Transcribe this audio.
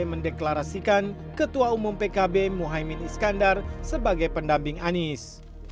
mendeklarasikan ketua umum pkb muhaymin iskandar sebagai pendamping anies